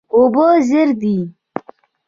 اوبه زر دي.